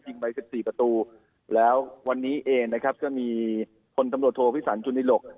ยิงใบ๑๔ประตูแล้ววันนี้เองนะครับก็มีคนสำรวจโทรภิษันจุนิรกษ์